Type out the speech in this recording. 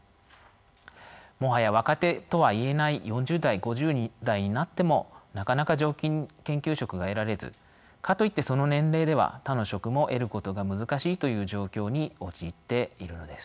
もはや若手とは言えない４０代５０代になってもなかなか常勤研究職が得られずかといってその年齢では他の職も得ることが難しいという状況に陥っているのです。